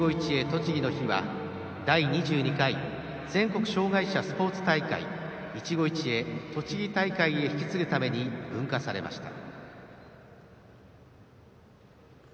とちぎの火は第２２回全国障害者スポーツ大会「いちご一会とちぎ大会」へ引き継ぐために分火されました。